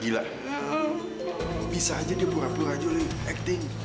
kita masuk yuk